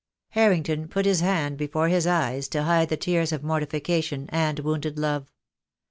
Harrington put his hand before his eyes to hide the tears of mortification and wounded love.